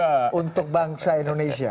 insya allah untuk bangsa indonesia